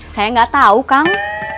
saya gak tau kang